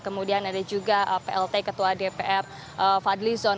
kemudian ada juga plt ketua dpr fadlizon